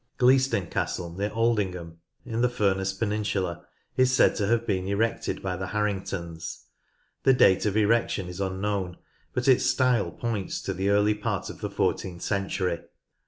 Gleaston Castle, near Aldingham, in the Furness peninsula, is said to have been erected by the Harringtons. The date of erection is unknown, but its style points to the early part of the fourteenth century.